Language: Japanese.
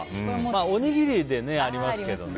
おにぎりでありますけどね。